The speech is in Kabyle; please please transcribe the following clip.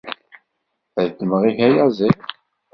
Ad ddmeɣ ihi ayaziḍ.